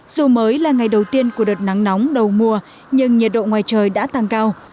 dù mới là ngày đầu tiên của đợt nắng nóng đầu mùa nhưng nhiệt độ ngoài trời đã tăng cao